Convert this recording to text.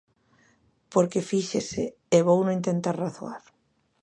Porque fíxese, e vouno intentar razoar.